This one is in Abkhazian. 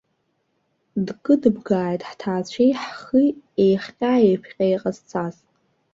Дкыдыбгааит ҳҭаацәеи ҳхи еихҟьа-еиԥҟьа иҟазҵаз!